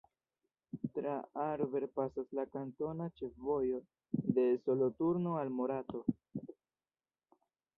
Tra Aarberg pasas la kantona ĉefvojo de Soloturno al Morato.